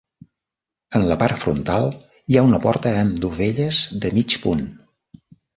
En la part frontal hi ha una porta amb dovelles de mig punt.